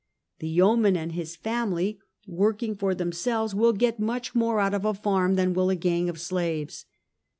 The yeoman and his family, working for themselves, will get much more out of a farm than will a gang of slaves.